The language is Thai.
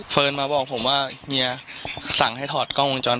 เฟิร์นมาบอกผมว่าเมียสั่งให้ถอดก็องวงจร